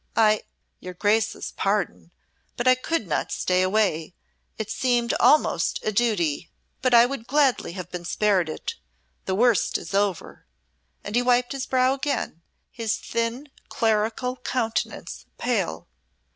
I your Grace's pardon but I could not stay away; it seemed almost a duty. But I would gladly have been spared it. The worst is over." And he wiped his brow again, his thin, clerical countenance pale.